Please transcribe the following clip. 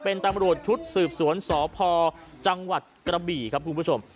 เป็นตำรวจชุดสืบสวนสพจังหวัดกระบี่ครับคุณผู้ชม